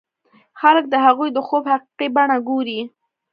خلک د هغوی د خوب حقيقي بڼه ګوري.